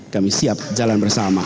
kami siap jalan bersama